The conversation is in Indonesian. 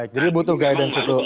jadi butuh guidance itu